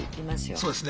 そうですね。